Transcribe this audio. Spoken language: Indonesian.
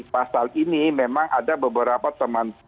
pasal ini memang ada beberapa teman